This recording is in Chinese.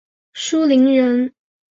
舒磷人。